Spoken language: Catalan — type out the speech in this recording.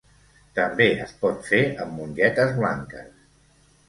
També es pot fer amb mongetes blanques.